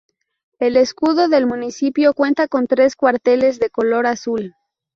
El escudo del municipio cuenta con tres cuarteles de color azul.